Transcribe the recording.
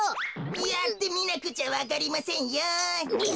やってみなくちゃわかりませんよ。